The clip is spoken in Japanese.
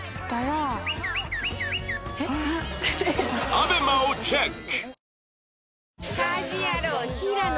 ＡＢＥＭＡ をチェック！